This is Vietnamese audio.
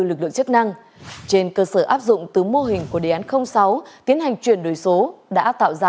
lực lượng chức năng trên cơ sở áp dụng từ mô hình của đề án sáu tiến hành chuyển đổi số đã tạo ra